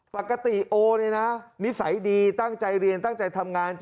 ปกติโอเนี่ยนะนิสัยดีตั้งใจเรียนตั้งใจทำงาน